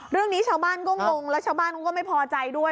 เรื่องนี้ชาวบ้านก็งงแล้วชาวบ้านเขาก็ไม่พอใจด้วย